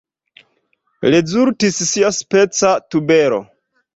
Rezultis siaspeca tubero.